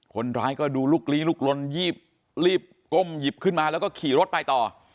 คนร้ายก็ดูลุกลี้ลุกลนรีบก้มหยิบขึ้นมาแล้วก็ขี่รถไปต่อ